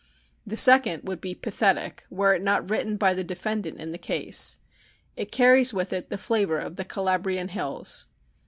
The second would be pathetic were it not written by the defendant in the case. It carries with it the flavor of the Calabrian hills.